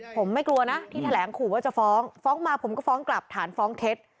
ผมไม่กลัวนะที่แถลงขู่ว่าจะฟ้องฟ้องมาผมก็ฟ้องกลับฐานฟ้องเท็จ